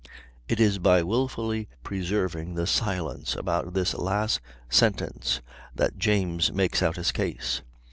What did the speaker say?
It is by wilfully preserving silence about this last sentence that James makes out his case.